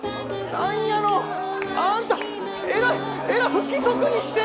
なんやのあんたえらい不規則にして。